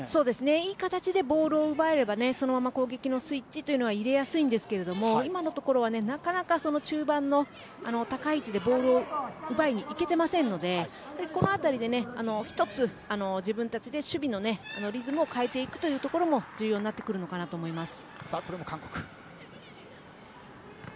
いい形でボールを奪えればそのまま攻撃のスイッチは入れやすいんですけど今のところは、なかなか中盤の高い位置でボールを奪いにいけていないのでこの辺りで１つ自分たちで守備のリズムを変えていくというところも重要になってくるのかと思います。